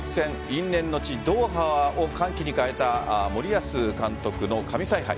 因縁の地・ドーハを歓喜に変えた森保監督の神采配。